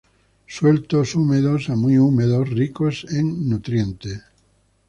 Sueltos, húmedos a muy húmedos, ricos en nutrientes.